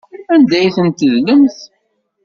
Anda ay tent-tedlemt?